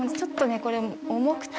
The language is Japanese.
これ重くて。